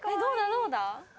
どうだ？